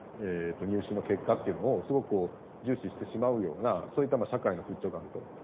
入試の結果っていうのをすごく重視してしまうようなそういった社会の風潮があると。